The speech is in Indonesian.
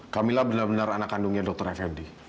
kamilah benar benar anak kandungnya dokter fnd